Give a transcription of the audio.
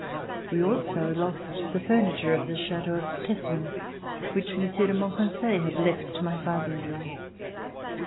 We also lost the furniture of the Chateau of Tesson which Monsieur de Monconseil had left to my father in law.